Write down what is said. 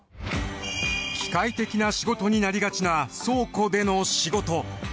機械的な仕事になりがちな倉庫での仕事。